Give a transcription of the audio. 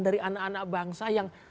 dari anak anak bangsa yang